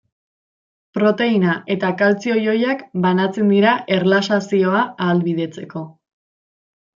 Proteina eta kaltzio-ioiak banatzen dira erlaxazioa ahalbidetzeko.